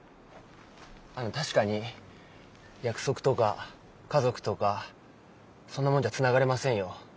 あの確かに約束とか家族とかそんなもんじゃつながれませんよ。